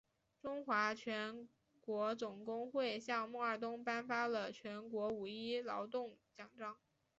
中华全国总工会向孟二冬颁发了全国五一劳动奖章。